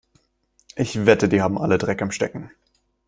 Ich wette, die haben alle Dreck am Stecken.